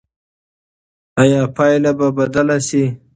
ایا پایله به بدله شي؟